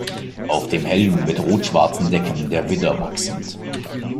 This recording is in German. Auf dem Helm mit rot-schwarzen Decken der Widder wachsend.